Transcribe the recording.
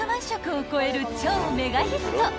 食を超える超メガヒット］